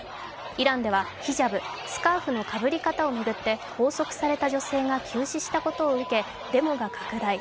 イランではヒジャブ＝スカーフのかぶり方を巡って拘束された女性が急死したことを受けデモが拡大。